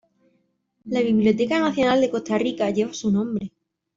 La Biblioteca Nacional de Costa Rica lleva su nombre.